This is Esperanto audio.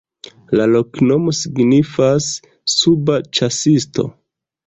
La loknomo signifas: suba-ĉasisto.